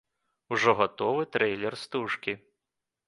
Ужо гатовы трэйлер стужкі.